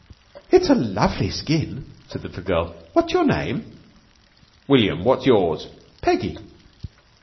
"It's a lovely skin," said the little girl. "What's your name?" "William. What's yours?" "Peggy."